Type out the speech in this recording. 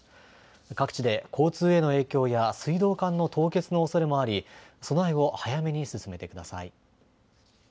各地で交通への影響や水道管の凍結のおそれもあり備えを早めに進めてください。